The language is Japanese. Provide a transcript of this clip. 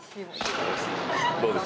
どうですか？